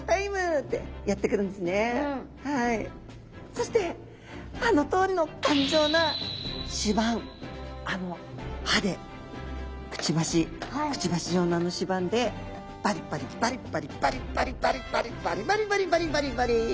そしてあのとおりの頑丈な歯板あの歯でくちばしくちばし状のあの歯板でバリバリバリバリバリバリバリバリバリバリバリバリバリバリ！